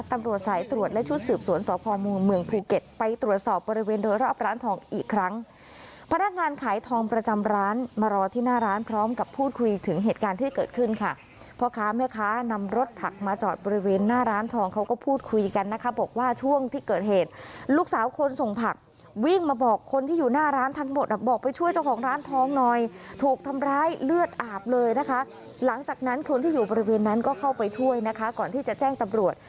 ตำรวจสายตรวจและชุดสืบสวนสวนสวนสวนสวนสวนสวนสวนสวนสวนสวนสวนสวนสวนสวนสวนสวนสวนสวนสวนสวนสวนสวนสวนสวนสวนสวนสวนสวนสวนสวนสวนสวนสวนสวนสวนสวนสวนสวนสวนสวนสวนสวนสวนสวนสวนสวนสวนสวนสวนสวนสวนสวนสวนสวนสวนสวนสวนสวนสวนสวนสวนสวนสวนสวนสวนส